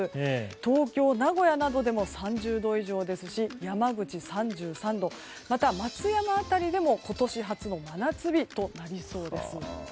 東京、名古屋などでも３０度以上ですし山口３３度また、松山辺りでも今年初の真夏日となりそうです。